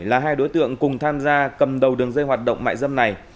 là hai đối tượng cùng tham gia cầm đầu đường dây hoạt động mại dâm này